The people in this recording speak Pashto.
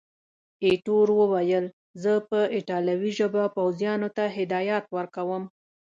ایټور وویل، زه په ایټالوي ژبه پوځیانو ته هدایات ورکوم.